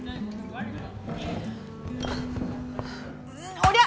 おりゃ！